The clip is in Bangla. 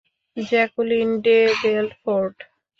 Jacqueline de বেলফোর্ট।